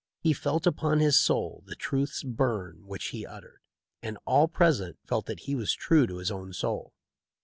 He felt upon his soul the truths burn which' he uttered, and all present felt that he was true to his own soul.